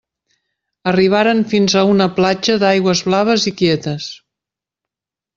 Arribaren fins a una platja d'aigües blaves i quietes.